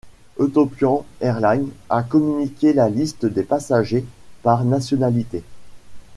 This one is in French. Ethiopian Airlines a communiqué la liste des passagers par nationalité.